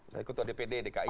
saya ketua dpd dki